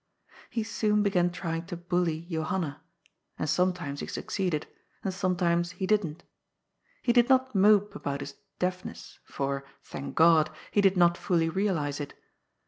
He soon began trying to bully Johanna, and sometimes he' succeeded, and sometimes he didn't. He did not mope about his deafness, for, thank God ! he did not fully realize it.